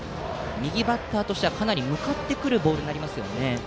右バッターとしてはかなり向かってくるボールですよね。